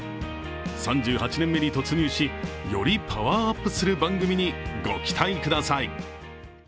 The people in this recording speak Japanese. ３８年目に突入し、よりパワーアップする番組にご期待ください。